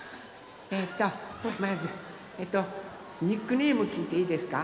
えっとまずニックネームきいていいですか？